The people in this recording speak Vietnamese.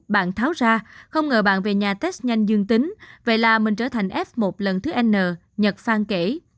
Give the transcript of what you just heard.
bạn tháo ra không ngờ bạn về nhà test nhanh dương tính vậy là mình trở thành f một lần thứ n nhật phan kể